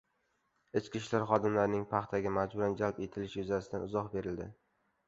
Ichki ishlar xodimlarining paxtaga majburan jalb etilishi yuzasidan izoh berildi